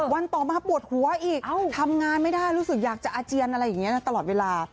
วันต่อมาปวดหัวอีกทำงานไม่ได้รู้สึกอยากจะอาเจียนอะไรอย่างนี้นะตลอดเวลา